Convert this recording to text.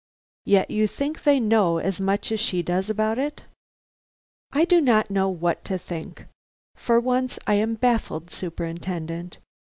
"Yet you think they know as much as she does about it?" "I do not know what to think. For once I am baffled, Superintendent.